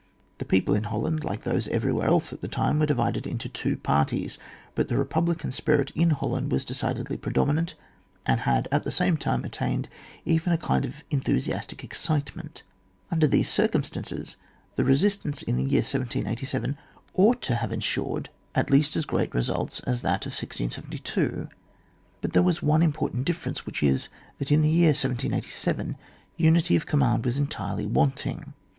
The people in Holland, like those everywhere else at that time, were divided into two par ties, but the republican spirit in Holland was decidedly predominant, and had at the same time attained even to a kind of enthusiastic excitement. Under these circumstances the resistance in the year 1787 ought to have ensured at least as great results as that of 1672. But there was one important difference, which is, that in the year 1787 unity of command was entirely wanting.